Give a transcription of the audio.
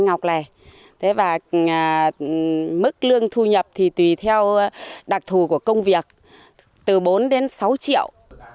anh ngọc lè mức lương thu nhập thì tùy theo đặc thù của công việc từ bốn sáu triệu